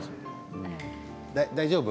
大丈夫？